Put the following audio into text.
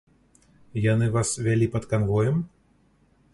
Яны вас вялі пад канвоем?